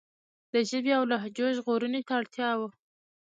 د ژبې او لهجو ژغورنې ته اړتیا وه.